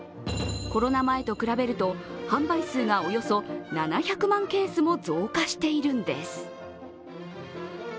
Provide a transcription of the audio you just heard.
コロナ前と比べると販売数がおよそ７００万ケースも増加しているんです。